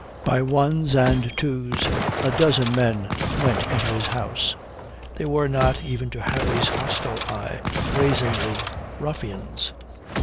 By ones and twos a dozen men went into his house. They were not, even to Harry's hostile eye, brazenly ruffians.